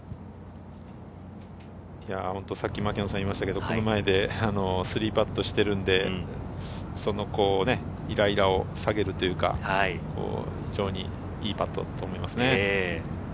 さっき牧野さんが言いましたが、この前で３パットしているので、そのイライラを下げるというか、非常にいいパットだったと思います。